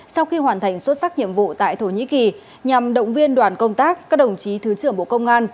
sau khi hoàn thành xuất sắc nhiệm vụ tại thổ nhĩ kỳ nhằm động viên đoàn công tác các đồng chí thứ trưởng bộ công an